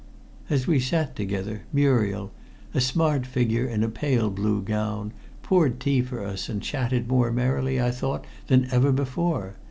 As we sat together Muriel, a smart figure in a pale blue gown, poured tea for us and chatted more merrily, I thought, than ever before.